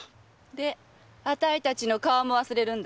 であたいたちの顔も忘れるんだ。